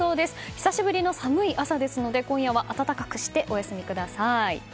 久しぶりの寒い朝ですので今夜は暖かくしてお休みください。